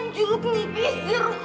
jeruk nipis jeruk